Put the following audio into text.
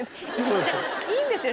いいんですよ